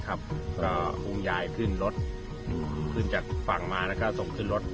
ก็อุ้มยายขึ้นรถขึ้นจากฝั่งมาแล้วก็ส่งขึ้นรถ